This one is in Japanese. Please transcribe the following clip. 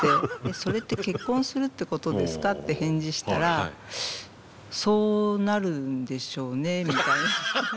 「それって結婚するってことですか？」って返事したらそうなるんでしょうねみたいな。